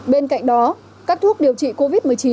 bên cạnh đó các thuốc điều trị covid một mươi chín